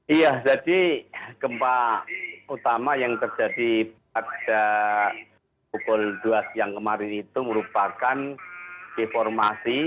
iya jadi gempa utama yang terjadi pada pukul dua siang kemarin itu merupakan informasi